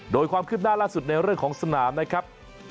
โดยความคืบหน้าล่าสุดในเรื่องของสนามนะครับ